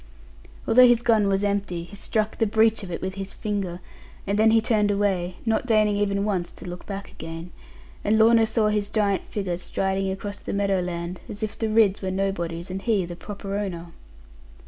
Although his gun was empty, he struck the breech of it with his finger; and then he turned away, not deigning even once to look back again; and Lorna saw his giant figure striding across the meadow land, as if the Ridds were nobodies, and he the proper owner.